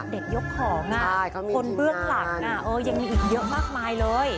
เด็กยกของคนเบื้องหลังยังมีอีกเยอะมากมายเลย